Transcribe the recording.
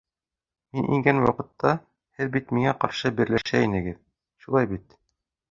Мин ингән ваҡытта, һеҙ бит миңә ҡаршы берләшә инегеҙ, шулай бит?